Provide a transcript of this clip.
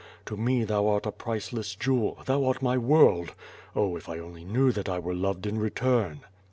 To me thou art a priceless jewel; thou art my world! Oh, if I only knew that I were loved in return."